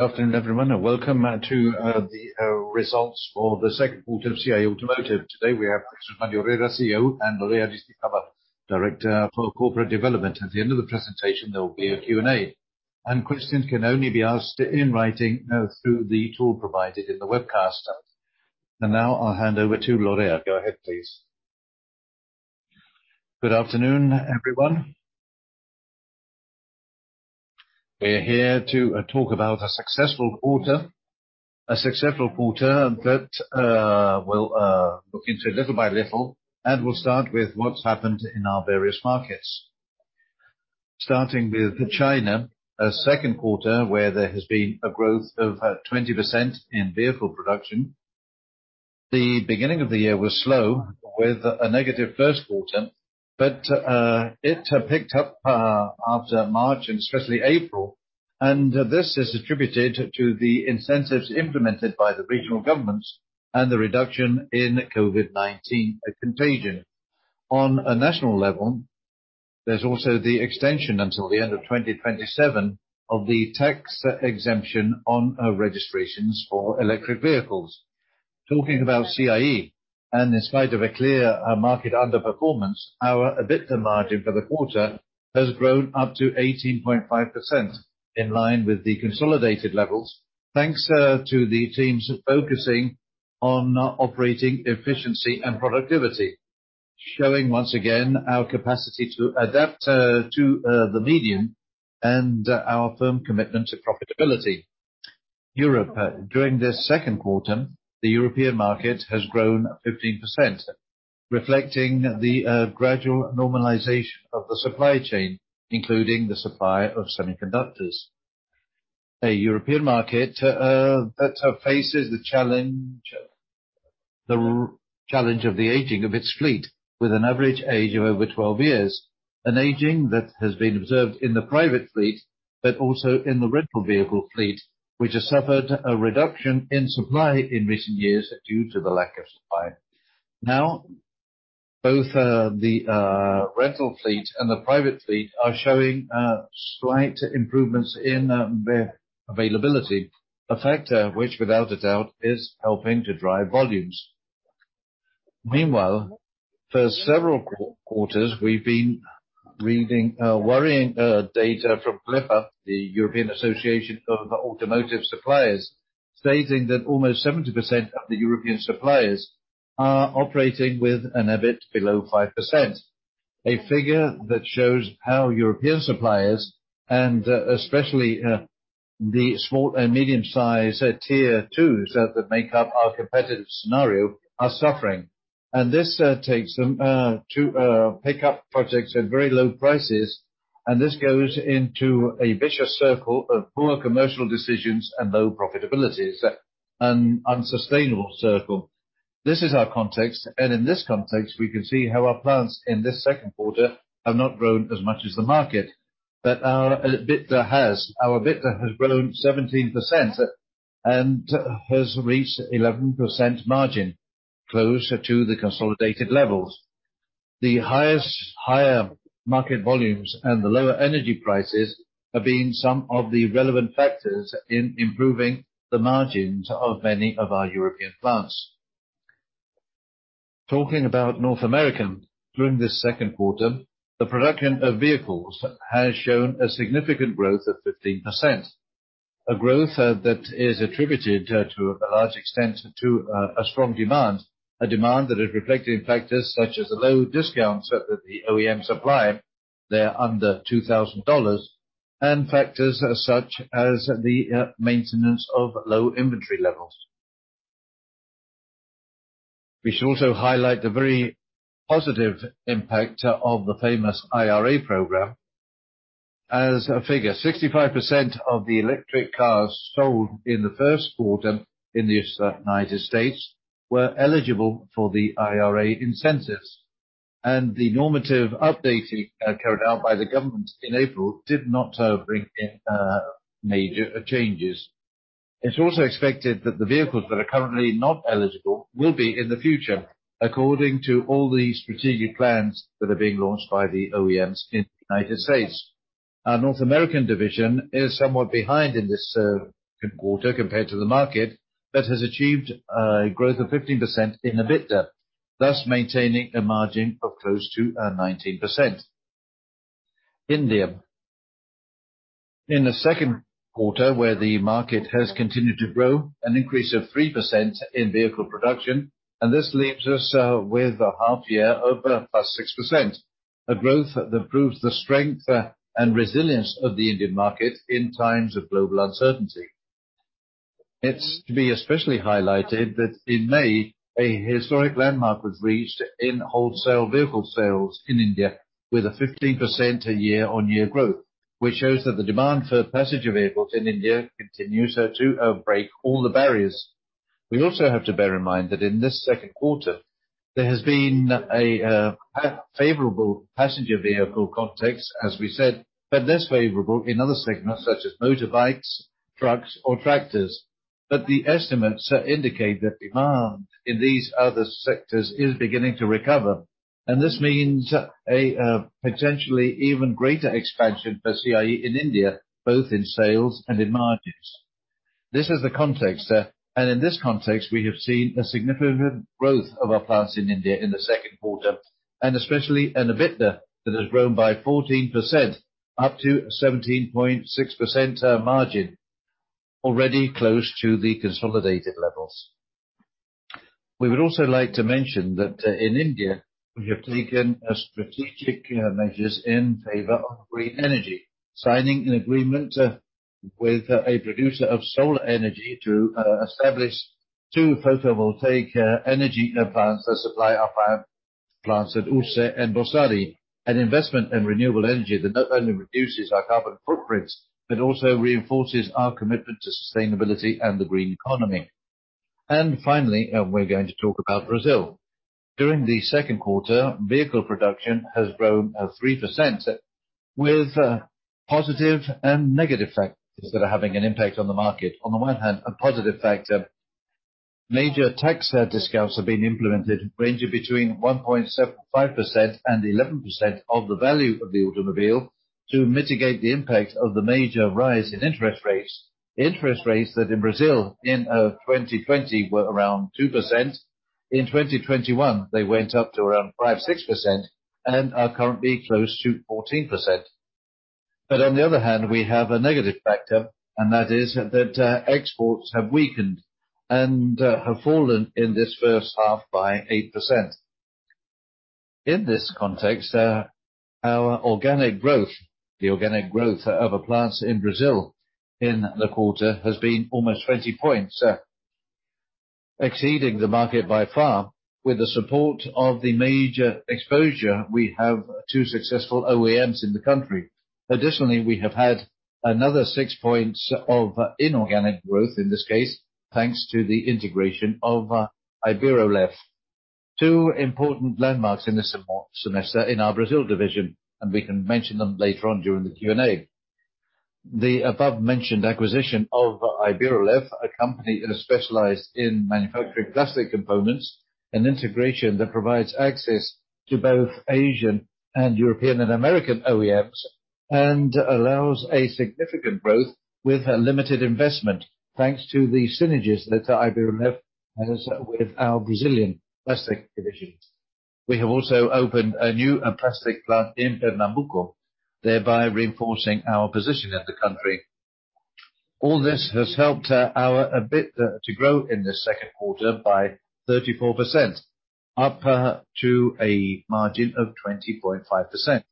Afternoon, everyone, and welcome to the results for the Q2 of CIE Automotive. Today, we have Jesús María Herrera, CEO, and Lorea Aristizabal Abasolo, Director for Corporate Development. At the end of the presentation, there will be a Q&A, and questions can only be asked in writing through the tool provided in the webcaster. Now I'll hand over to Lorea. Go ahead, please. Good afternoon, everyone. We're here to talk about a successful quarter, a successful quarter that we'll look into little by little, and we'll start with what's happened in our various markets. Starting with China, a Q2, where there has been a growth of 20% in vehicle production. The beginning of the year was slow, with a negative Q1, but it picked up after March and especially April, and this is attributed to the incentives implemented by the regional governments and the reduction in COVID-19 contagion. On a national level, there's also the extension until the end of 2027 of the tax exemption on registrations for electric vehicles. Talking about CIE, and in spite of a clear market underperformance, our EBITDA margin for the quarter has grown up to 18.5%, in line with the consolidated levels, thanks to the teams focusing on operating efficiency and productivity. Showing once again our capacity to adapt to the medium and our firm commitment to profitability. Europe. During this Q2, the European market has grown 15%, reflecting the gradual normalization of the supply chain, including the supply of semiconductors. A European market that faces the challenge of the aging of its fleet, with an average age of over 12 years, an aging that has been observed in the private fleet, but also in the rental vehicle fleet, which has suffered a reduction in supply in recent years due to the lack of supply. Both the rental fleet and the private fleet are showing slight improvements in the availability, a factor which, without a doubt, is helping to drive volumes. Meanwhile, for several quarters, we've been reading worrying data from CLEPA, the European Association of Automotive Suppliers, stating that almost 70% of the European suppliers are operating with an EBIT below 5%. A figure that shows how European suppliers, and especially the small and medium-sized Tier 2s that make up our competitive scenario, are suffering. This takes them to pick up projects at very low prices, and this goes into a vicious circle of poor commercial decisions and low profitability. It's an unsustainable circle. This is our context, in this context, we can see how our plants in this Q2 have not grown as much as the market, but our EBITDA has. Our EBITDA has grown 17% and has reached 11% margin, closer to the consolidated levels. The higher market volumes and the lower energy prices have been some of the relevant factors in improving the margins of many of our European plants. Talking about North America, during this Q2, the production of vehicles has shown a significant growth of 15%, a growth that is attributed to a large extent to a strong demand. A demand that is reflecting factors such as the low discounts that the OEM supply, they're under $2,000, and factors such as the maintenance of low inventory levels. We should also highlight the very positive impact of the famous IRA program. As a figure, 65% of the electric cars sold in the Q1 in the United States were eligible for the IRA incentives. The normative updating carried out by the government in April did not bring in major changes. It's also expected that the vehicles that are currently not eligible will be in the future, according to all the strategic plans that are being launched by the OEMs in the United States. Our North American division is somewhat behind in this quarter, compared to the market, but has achieved a growth of 15% in EBITDA, thus maintaining a margin of close to 19%. India. In the Q2, where the market has continued to grow, an increase of 3% in vehicle production, and this leaves us with a half year of +6%, a growth that proves the strength and resilience of the Indian market in times of global uncertainty. It's to be especially highlighted that in May, a historic landmark was reached in wholesale vehicle sales in India, with a 15% year-on-year growth, which shows that the demand for passenger vehicles in India continues to break all the barriers. We also have to bear in mind that in this Q2, there has been a favorable passenger vehicle context, as we said, but less favorable in other segments such as motorbikes, trucks or tractors. The estimates indicate that demand in these other sectors is beginning to recover. This means a potentially even greater expansion for CIE in India, both in sales and in margins. This is the context, and in this context, we have seen a significant growth of our plants in India in the Q2, and especially an EBITDA that has grown by 14%, up to 17.6% margin, already close to the consolidated levels. We would also like to mention that in India, we have taken strategic measures in favor of green energy, signing an agreement with a producer of solar energy to establish two photovoltaic energy plants that supply our plants at Urnieta and Basauri. An investment in renewable energy that not only reduces our carbon footprints, but also reinforces our commitment to sustainability and the green economy. Finally, we're going to talk about Brazil. During the Q2, vehicle production has grown 3%, with positive and negative factors that are having an impact on the market. On the one hand, a positive factor, major tax discounts have been implemented, ranging between 1.75% and 11% of the value of the automobile, to mitigate the impact of the major rise in interest rates. Interest rates that in Brazil in 2020 were around 2%. In 2021, they went up to around 5%-6%, and are currently close to 14%. On the other hand, we have a negative factor, and that is that exports have weakened and have fallen in this first half by 8%. In this context, our organic growth, the organic growth of our plants in Brazil in the quarter has been almost 20 points, exceeding the market by far, with the support of the major exposure we have to successful OEMs in the country. Additionally, we have had another 6 points of inorganic growth, in this case, thanks to the integration of IBER-OLEFF, two important landmarks in this semester in our Brazil division, and we can mention them later on during the Q&A. The above mentioned acquisition of IBER-OLEFF, a company that is specialized in manufacturing plastic components, an integration that provides access to both Asian and European and American OEMs, and allows a significant growth with a limited investment, thanks to the synergies that IBER-OLEFF has with our Brazilian plastic divisions. We have also opened a new plastic plant in Pernambuco, thereby reinforcing our position in the country. All this has helped our EBITDA to grow in the Q2 by 34%, up to a margin of 20.5%.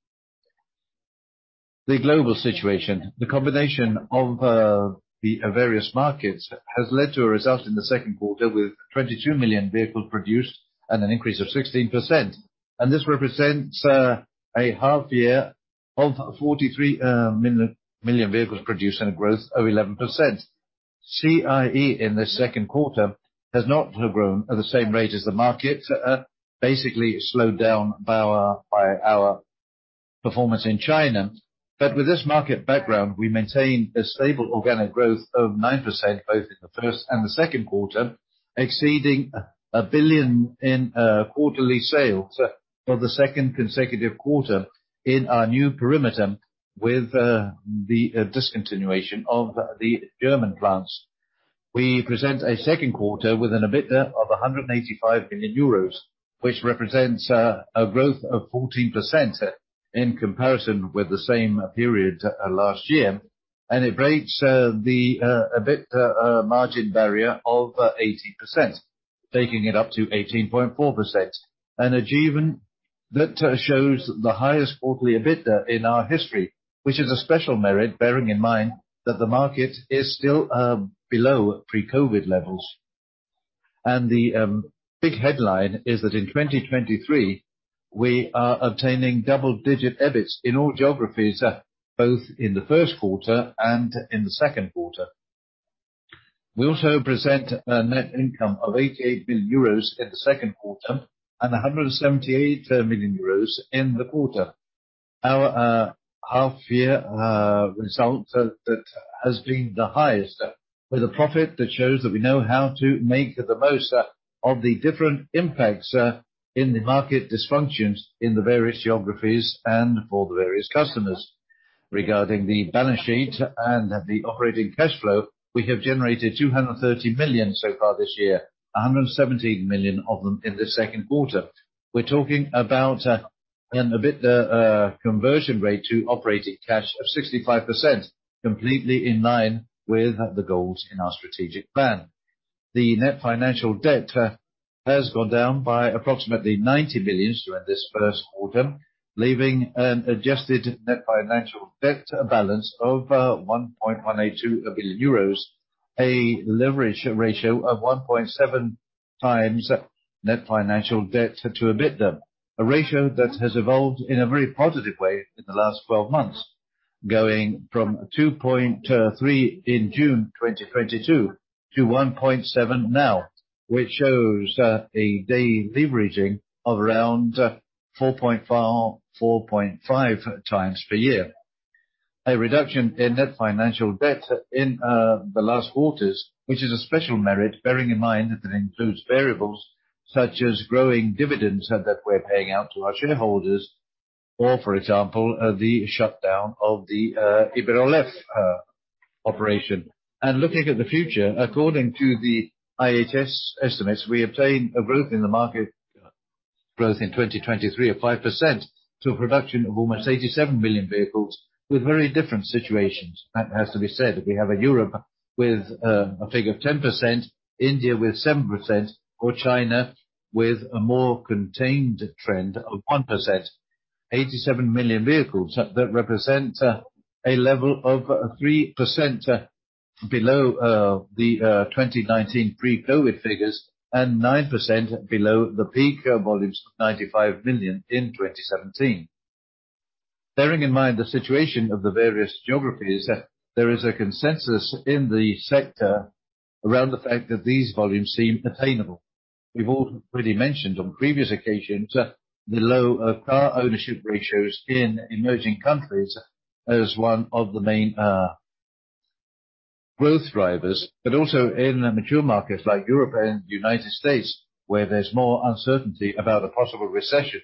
The global situation, the combination of the various markets, has led to a result in the Q2 with 22 million vehicles produced and an increase of 16%. This represents a half year of 43 million vehicles produced, and a growth of 11%. CIE, in this Q2, has not grown at the same rate as the market, basically slowed down by our performance in China. With this market background, we maintain a stable organic growth of 9%, both in the first and the Q2, exceeding 1 billion in quarterly sales for the second consecutive quarter in our new perimeter with the discontinuation of the German plants. We present a Q2 with an EBITDA of 185 billion euros, which represents a growth of 14% in comparison with the same period last year. It breaks the EBITDA margin barrier of 80%, taking it up to 18.4%. An achievement that shows the highest quarterly EBITDA in our history, which is a special merit, bearing in mind that the market is still below pre-COVID-19 levels. The big headline is that in 2023, we are obtaining double-digit EBITs in all geographies, both in the Q1 and in the Q2. We also present a net income of 88 billion euros in the Q2, and 178 million euros in the quarter. Our half year result that has been the highest with a profit that shows that we know how to make the most of the different impacts in the market dysfunctions in the various geographies and for the various customers. Regarding the balance sheet and the operating cash flow, we have generated 230 million so far this year, 117 million of them in the Q2. We're talking about an EBITDA conversion rate to operating cash of 65%, completely in line with the goals in our strategic plan. The net financial debt has gone down by approximately 90 million during this Q1, leaving an adjusted net financial debt balance of 1.182 billion euros, a leverage ratio of 1.7 times net financial debt to EBITDA. A ratio that has evolved in a very positive way in the last 12 months, going from 2.3 in June 2022 to 1.7 now, which shows a deleveraging of around 4.4.5 times per year. a reduction in net financial debt in the last quarters, which is a special merit, bearing in mind that it includes variables such as growing dividends that we're paying out to our shareholders, or, for example, the shutdown of the IBER-OLEFF operation. Looking at the future, according to the IHS estimates, we obtain a growth in the market, growth in 2023 of 5%, to a production of almost 87 million vehicles, with very different situations. That has to be said, that we have a Europe with a figure of 10%, India with 7%, or China with a more contained trend of 1%. 87 million vehicles that represent a level of 3% below the 2019 pre-COVID figures, and 9% below the peak volumes of 95 million in 2017. Bearing in mind the situation of the various geographies, there is a consensus in the sector around the fact that these volumes seem attainable. We've all already mentioned on previous occasions, the low of car ownership ratios in emerging countries as one of the main growth drivers, but also in the mature markets like Europe and the United States, where there's more uncertainty about a possible recession.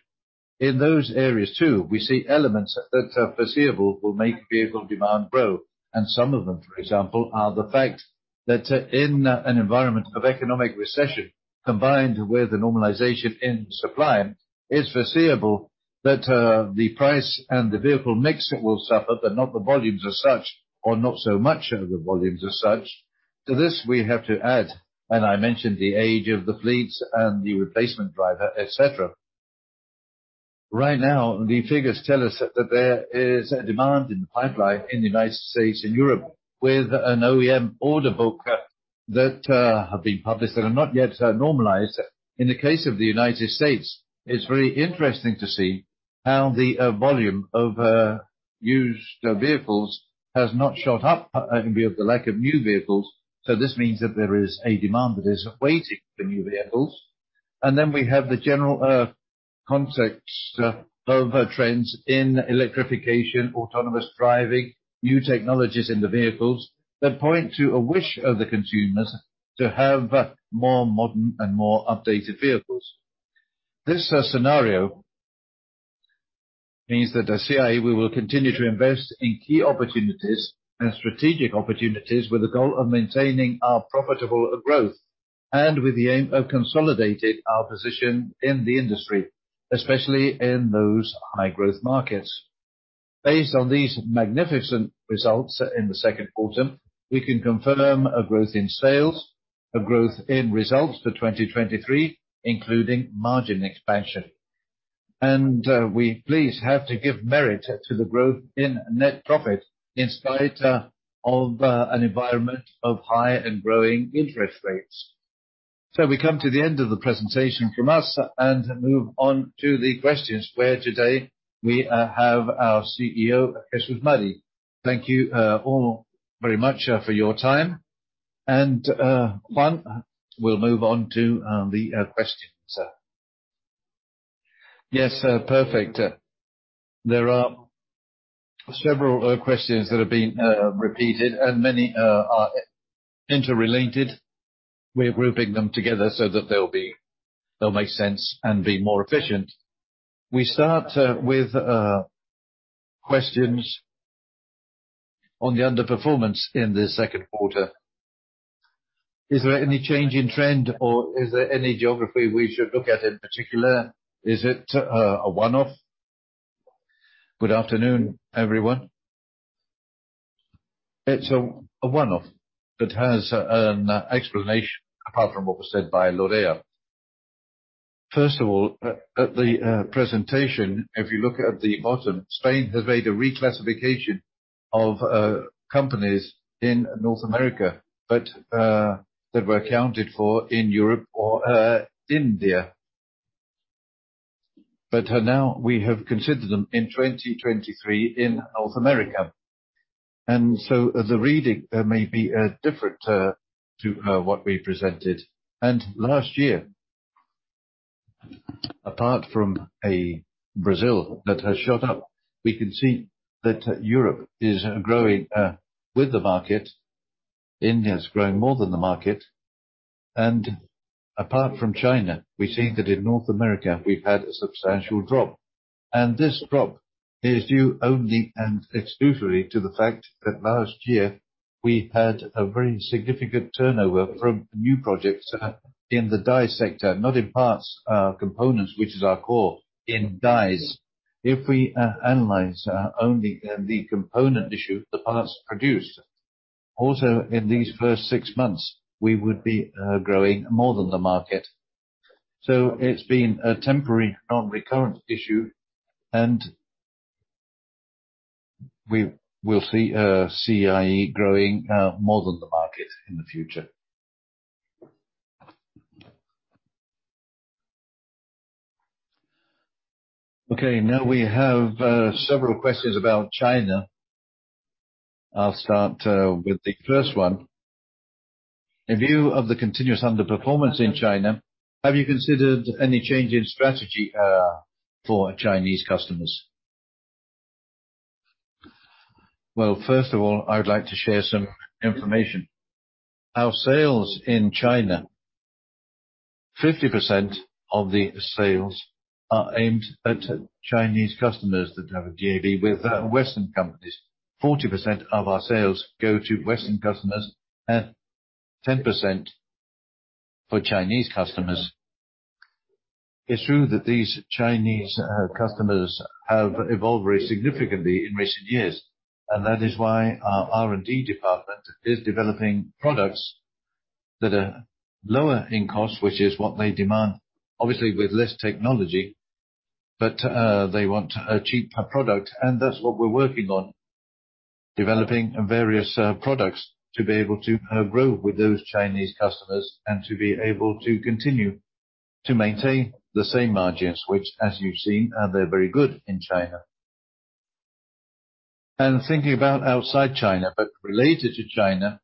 In those areas, too, we see elements that are foreseeable will make vehicle demand grow, and some of them, for example, are the fact that, in an environment of economic recession, combined with the normalization in supply, it's foreseeable that the price and the vehicle mix will suffer, but not the volumes as such or not so much of the volumes as such. To this, we have to add, and I mentioned the age of the fleets and the replacement driver, et cetera. Right now, the figures tell us that there is a demand in the pipeline in the United States and Europe, with an OEM order book that have been published that are not yet normalized. In the case of the United States, it's very interesting to see how the volume of used vehicles has not shot up, maybe of the lack of new vehicles. This means that there is a demand that is waiting for new vehicles. We have the general context of trends in electrification, autonomous driving, new technologies in the vehicles, that point to a wish of the consumers to have more modern and more updated vehicles. This scenario means that at CIE, we will continue to invest in key opportunities and strategic opportunities with the goal of maintaining our profitable growth, and with the aim of consolidating our position in the industry, especially in those high-growth markets. Based on these magnificent results in the Q2, we can confirm a growth in sales, a growth in results for 2023, including margin expansion. We please have to give merit to the growth in net profit, in spite of an environment of higher and growing interest rates. We come to the end of the presentation from us and move on to the questions, where today, we have our CEO, Jesús Maria. Thank you all very much for your time. Juan, we'll move on to the questions. Yes, perfect. There are several questions that have been repeated, and many are interrelated. We're grouping them together so that they'll make sense and be more efficient. We start with questions on the underperformance in the Q2. Is there any change in trend, or is there any geography we should look at in particular? Is it a one-off? Good afternoon, everyone. It's a one-off that has an explanation, apart from what was said by Lorea. First of all, at the presentation, if you look at the bottom, Spain has made a reclassification of companies in North America, but that were accounted for in Europe or India. Now we have considered them in 2023 in North America, and so the reading may be different to what we presented. Last year, apart from a Brazil that has shot up, we can see that Europe is growing with the market. India is growing more than the market. Apart from China, we see that in North America, we've had a substantial drop, and this drop is due only and exclusively to the fact that last year, we had a very significant turnover from new projects in the die sector, not in parts, components, which is our core, in dies. If we analyze only the component issue, the parts produced, also in these first six months, we would be growing more than the market. It's been a temporary, non-recurrent issue, and we will see CIE growing more than the market in the future. Now we have several questions about China. I'll start with the first one. In view of the continuous underperformance in China, have you considered any change in strategy for Chinese customers? Well, first of all, I would like to share some information. Our sales in China, 50% of the sales are aimed at Chinese customers that have a JV with Western companies. 40% of our sales go to Western customers and 10% for Chinese customers. It's true that these Chinese customers have evolved very significantly in recent years. That is why our R&D department is developing products that are lower in cost, which is what they demand, obviously, with less technology. They want a cheap product, and that's what we're working on, developing various products to be able to grow with those Chinese customers and to be able to continue to maintain the same margins, which as you've seen, are they're very good in China. Thinking about outside China, but related to China,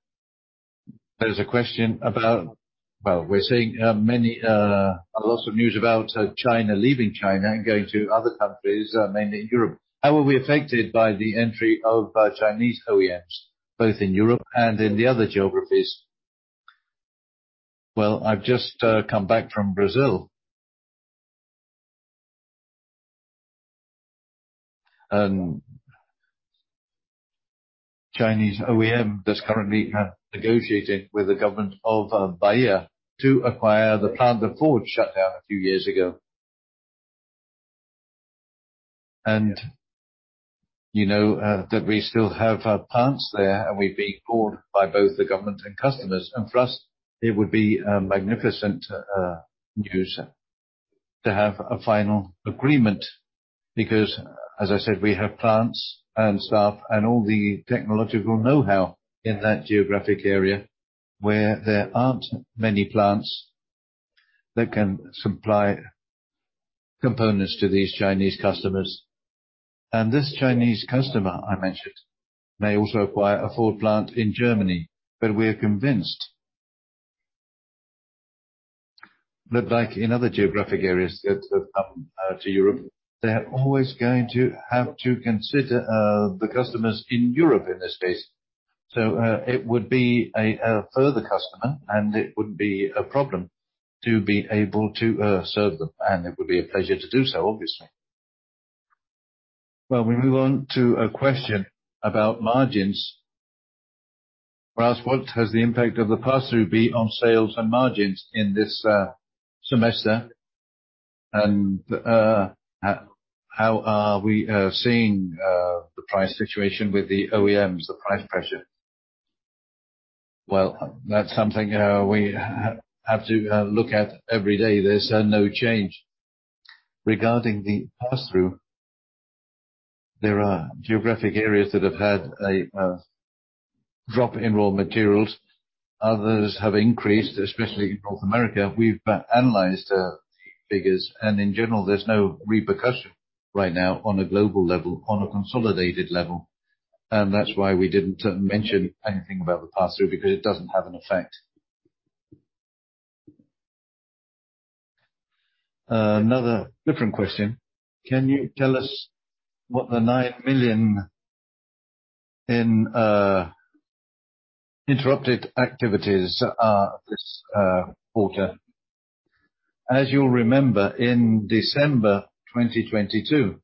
there's a question about. We're seeing many lots of news about China, leaving China and going to other countries, mainly in Europe. How will we affected by the entry of Chinese OEMs, both in Europe and in the other geographies? I've just come back from Brazil. Chinese OEM that's currently negotiating with the government of Bahia to acquire the plant that Ford shut down a few years ago. That we still have plants there, we're being called by both the government and customers, for us, it would be a magnificent news to have a final agreement, because as I said, we have plants and staff and all the technological know-how in that geographic area, where there aren't many plants that can supply components to these Chinese customers. This Chinese customer I mentioned, may also acquire a Ford plant in Germany, we are convinced. Like in other geographic areas that, to Europe, they're always going to have to consider the customers in Europe in this case. It would be a further customer, it wouldn't be a problem to be able to serve them, it would be a pleasure to do so, obviously. Well, we move on to a question about margins. For us, what has the impact of the passthrough be on sales and margins in this semester? How are we seeing the price situation with the OEMs, the price pressure? Well, that's something we have to look at every day. There's no change. Regarding the passthrough, there are geographic areas that have had a drop in raw materials. Others have increased, especially in North America. We've analyzed figures, and in general, there's no repercussion right now on a global level, on a consolidated level, and that's why we didn't mention anything about the passthrough, because it doesn't have an effect. Another different question: Can you tell us what the 9 million in interrupted activities are this quarter? As you'll remember, in December 2022,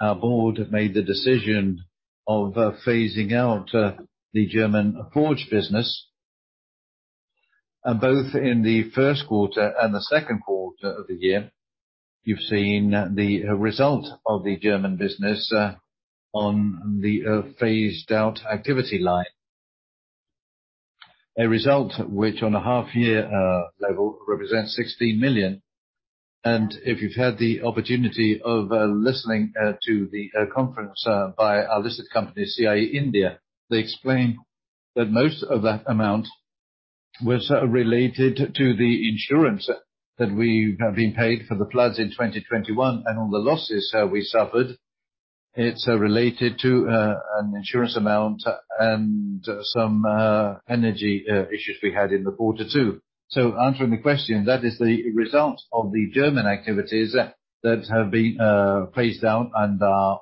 our board made the decision of phasing out the German forge business. Both in the Q1 and the Q2 of the year, you've seen the result of the German business on the phased out activity line. A result which on a half year level represents 16 million. If you've had the opportunity of listening to the conference by our listed company, CIE India, they explained that most of that amount was related to the insurance that we have been paid for the floods in 2021 and on the losses we suffered. It's related to an insurance amount and some energy issues we had in the quarter, too. Answering the question, that is the result of the German activities that have been phased out and are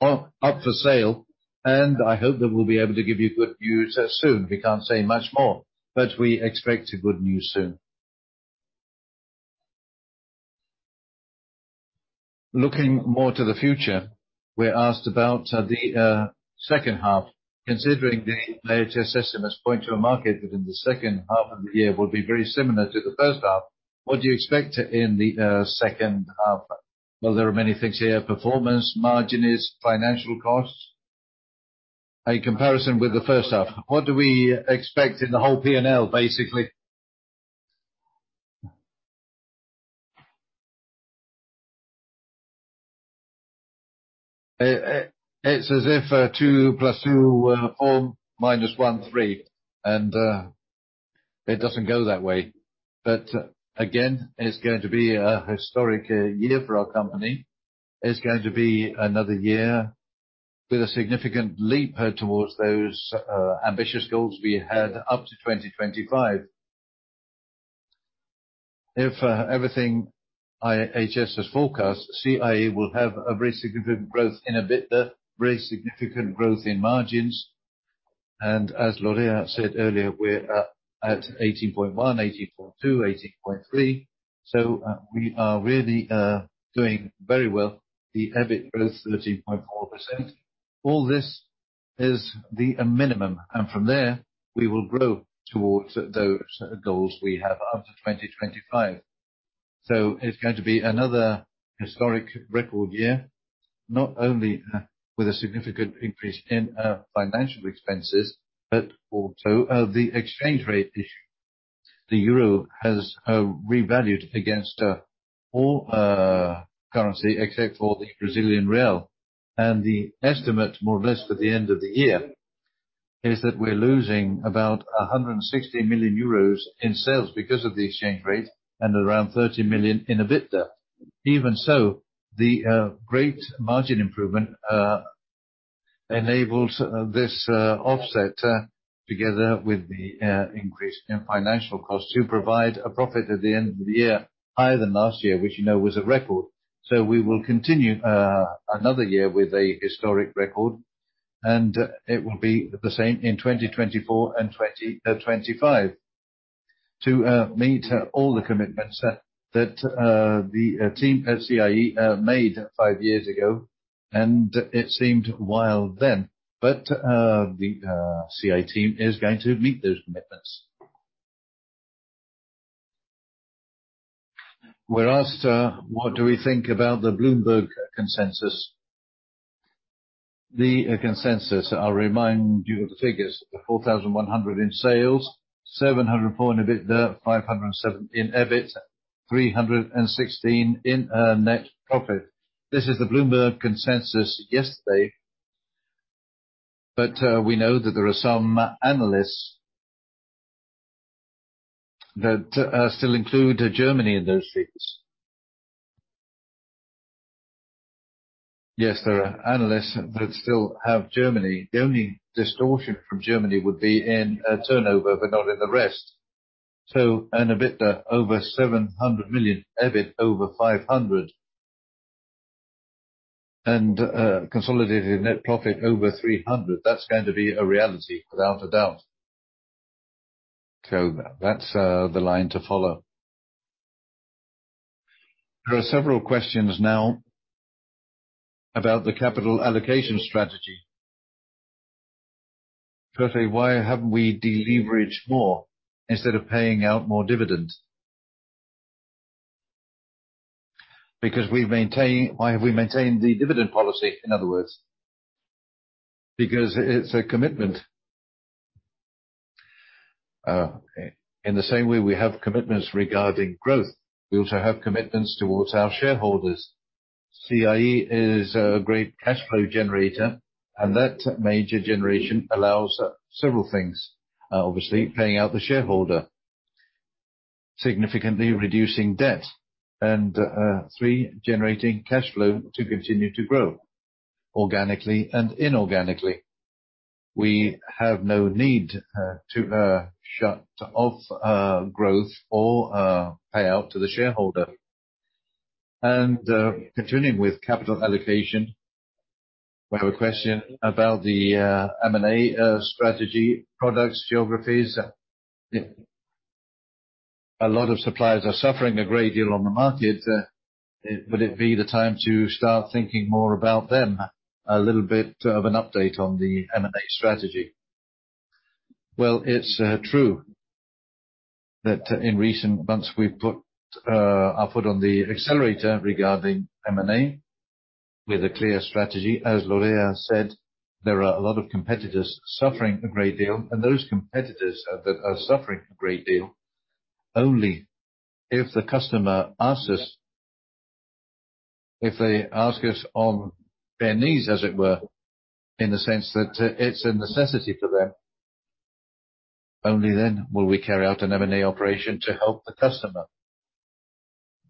up for sale, and I hope that we'll be able to give you good news soon. We can't say much more, but we expect a good news soon. Looking more to the future, we're asked about the second half, considering the latest estimates point to a market that in the second half of the year will be very similar to the first half. What do you expect in the second half? Well, there are many things here: performance, margins, financial costs. A comparison with the first half, what do we expect in the whole P&L, basically? It's as if 2 plus 2 form minus 1, 3, and it doesn't go that way. Again, it's going to be a historic year for our company. It's going to be another year with a significant leap towards those ambitious goals we had up to 2025. If everything IHS has forecast, CIE will have a very significant growth in EBITDA, very significant growth in margins, and as Lorea said earlier, we're at 18.1, 18.2, 18.3. We are really doing very well. The EBIT growth, 13.4%. All this is a minimum, and from there, we will grow towards those goals we have up to 2025. It's going to be another historic record year, not only with a significant increase in financial expenses, but also the exchange rate issue. The euro has revalued against all currency, except for the Brazilian real. The estimate, more or less, for the end of the year, is that we're losing about 160 million euros in sales because of the exchange rate and around 30 million in EBITDA. Even so, the great margin improvement enabled this offset, together with the increase in financial costs, to provide a profit at the end of the year, higher than last year, which was a record. We will continue another year with a historic record, and it will be the same in 2024 and 2025. To meet all the commitments that the team at CIE made five years ago, and it seemed wild then, but the CIE team is going to meet those commitments. We're asked what do we think about the Bloomberg consensus? The consensus, I'll remind you of the figures: 4,100 in sales, 700 in EBITDA, 507 in EBIT, 316 in net profit. This is the Bloomberg consensus yesterday, but we know that there are some analysts that still include Germany in those figures. Yes, there are analysts that still have Germany. The only distortion from Germany would be in EUR turnover, but not in the rest. In EBITDA, over 700 million, EBIT over 500, and consolidated net profit over 300. That's going to be a reality, without a doubt. That's the line to follow. There are several questions now about the capital allocation strategy. Jose, why haven't we deleveraged more instead of paying out more dividends? Why have we maintained the dividend policy, in other words? It's a commitment. Okay. In the same way we have commitments regarding growth, we also have commitments towards our shareholders. CIE is a great cash flow generator, and that major generation allows several things. Obviously, paying out the shareholder, significantly reducing debt and, three, generating cash flow to continue to grow organically and inorganically. We have no need to shut off growth or pay out to the shareholder. Continuing with capital allocation, we have a question about the M&A strategy, products, geographies. Yeah. A lot of suppliers are suffering a great deal on the market, would it be the time to start thinking more about them? A little bit of an update on the M&A strategy. Well, it's true that in recent months we've put our foot on the accelerator regarding M&A with a clear strategy. As Lorea said, there are a lot of competitors suffering a great deal, those competitors that are suffering a great deal, only if the customer asks us, if they ask us on their knees, as it were, in the sense that it's a necessity for them, only then will we carry out an M&A operation to help the customer.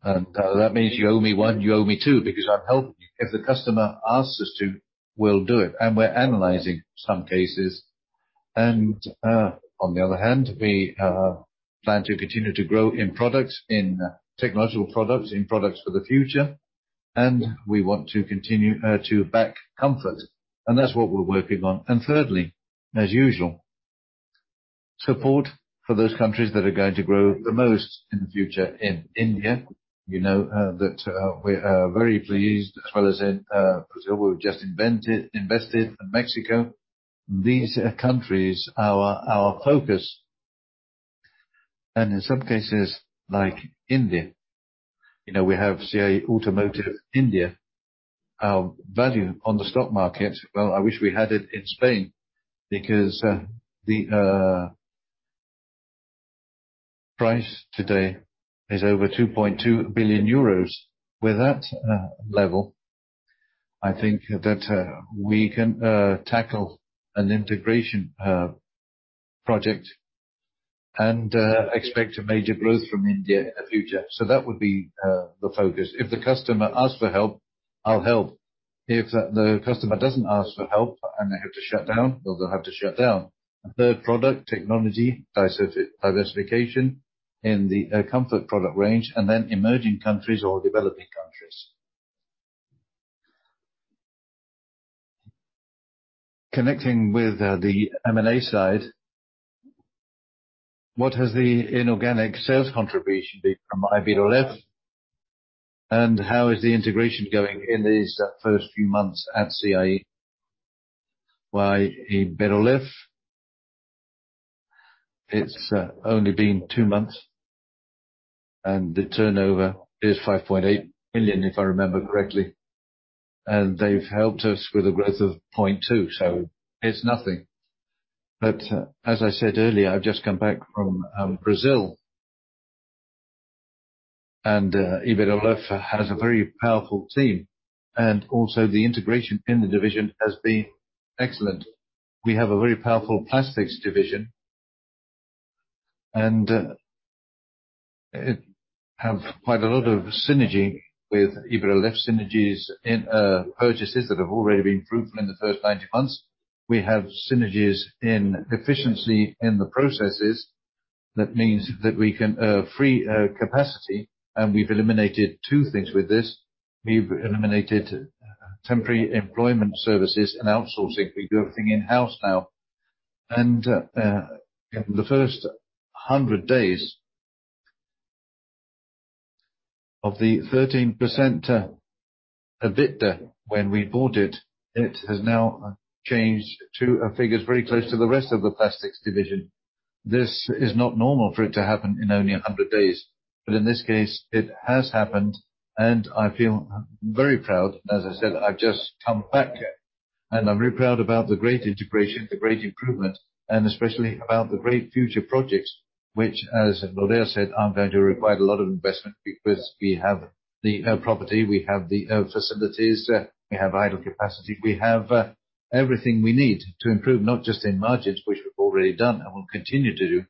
That means you owe me one, you owe me two, because I'm helping you. If the customer asks us to, we'll do it, and we're analyzing some cases. On the other hand, we plan to continue to grow in products, in technological products, in products for the future, and we want to continue to back comfort, and that's what we're working on. Thirdly, as usual, support for those countries that are going to grow the most in the future. In India that we are very pleased, as well as in Brazil, we've just invested in Mexico. These are countries, our focus, and in some cases, like India we have CIE Automotive India, our value on the stock market. Well, I wish we had it in Spain, because the price today is over 2.2 billion euros. With that level, I think that we can tackle an integration project-... Expect a major growth from India in the future. That would be the focus. If the customer asks for help, I'll help. If the customer doesn't ask for help, and they have to shut down, well, they'll have to shut down. Third product, technology, diversification in the comfort product range, and then emerging countries or developing countries. Connecting with the M&A side, what has the inorganic sales contribution been from IBER-OLEFF? How is the integration going in these first few months at CIE by IBER-OLEFF? It's only been two months, and the turnover is 5.8 million, if I remember correctly, and they've helped us with a growth of 0.2 million, so it's nothing. As I said earlier, I've just come back from Brazil. IBER-OLEFF has a very powerful team, and also the integration in the division has been excellent. We have a very powerful plastics division, it have quite a lot of synergy with IBER-OLEFF synergies in purchases that have already been fruitful in the first 90 months. We have synergies in efficiency in the processes. That means that we can free capacity, and we've eliminated two things with this. We've eliminated temporary employment services and outsourcing. We do everything in-house now. In the first 100 days, of the 13% EBITDA when we bought it has now changed to figures very close to the rest of the plastics division. This is not normal for it to happen in only 100 days, but in this case, it has happened, and I feel very proud. As I said, I've just come back, and I'm very proud about the great integration, the great improvement, and especially about the great future projects, which, as Rodero said, are going to require a lot of investment because we have the property, we have the facilities, we have idle capacity. We have everything we need to improve, not just in margins, which we've already done and will continue to do,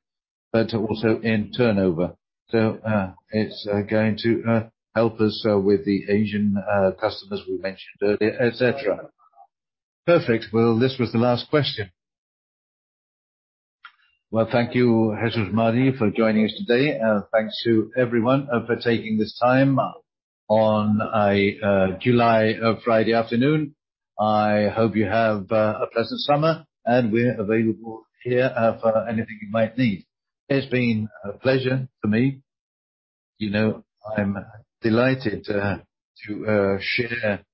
but also in turnover. It's going to help us with the Asian customers we mentioned earlier, et cetera. Perfect. Well, this was the last question. Well, thank you, Jesús Mari, for joining us today. Thanks to everyone for taking this time on a July Friday afternoon. I hope you have a pleasant summer, and we're available here for anything you might need. It's been a pleasure for me. You know, I'm delighted to share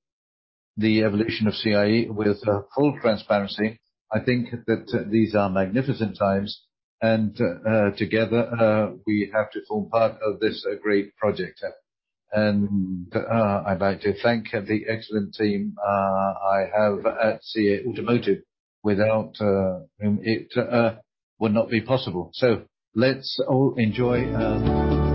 the evolution of CIE with full transparency. I think that these are magnificent times. Together we have to form part of this great project. I'd like to thank the excellent team I have at CIE Automotive. Without them, it would not be possible. Let's all enjoy.